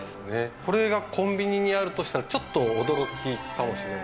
これがコンビニにあるとしたらちょっと驚きかもしれない。